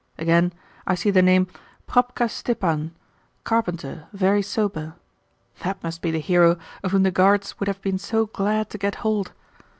Again, I see the name, 'Probka Stepan, carpenter, very sober.' That must be the hero of whom the Guards would have been so glad to get hold.